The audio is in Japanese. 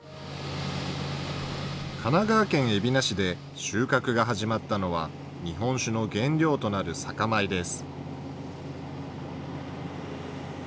神奈川県海老名市で収穫が始まったのは日本酒の原料となる酒米です。